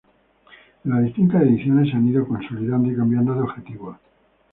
En las distintas ediciones se han ido consolidando y cambiando de objetivos.